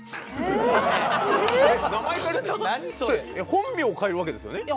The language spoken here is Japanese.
本名を変えるわけですよね？